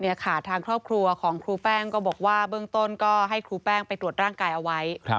นี่ค่ะทางครอบครัวของครูแป้งก็บอกว่าเบื้องต้นก็ให้ครูแป้งไปตรวจร่างกายเอาไว้